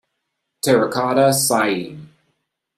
Terracotta Sighing.